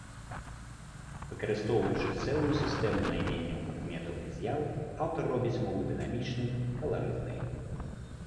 Выкарыстоўваючы цэлую сістэму найменняў прадметаў і з'яў, аўтар робіць мову дынамічнай, каларытнай.